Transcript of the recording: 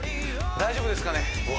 大丈夫ですかねうわ